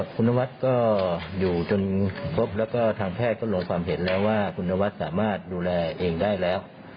คุณนวัดก็อยู่จนครบแล้วก็ทางแพทย์ก็ลงความเห็นแล้วว่าคุณนวัดสามารถดูแลเองได้แล้ว